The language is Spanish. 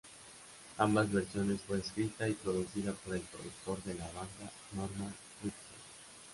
Ambas versiones fue escrita y producida por el productor de la banda, Norman Whitfield.